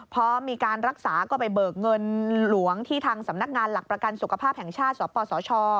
พอมีการรักษาก็ไปเบิกเงินหลวงที่ทางสำนักงานหลักประกันสุขภาพแห่งชาติสปสช